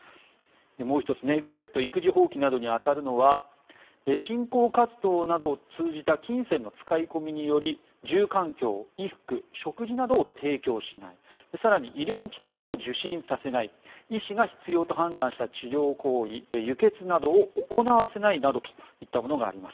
もう１つ、ネグレクト育児放棄などに当たるのは信仰活動などを通じた金銭の使い込みにより住環境、衣服、食事などを提供しない更に、医療機関を受診させない医師が必要と判断した治療行為輸血などを行わせないといったものがあります。